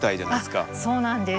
そうなんです。